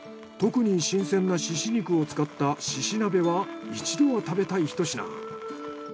特に新鮮な猪肉を使った猪鍋は一度は食べたいひと品。